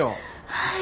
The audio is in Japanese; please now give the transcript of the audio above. はい。